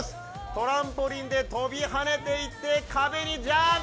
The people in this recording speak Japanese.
トランポリンで跳びはねて、壁にジャンプ！